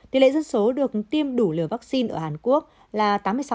tỷ lệ dân số được tiêm đủ liều vaccine ở hàn quốc là tám mươi sáu